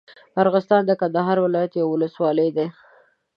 ارغسان د کندهار ولايت یوه اولسوالي ده.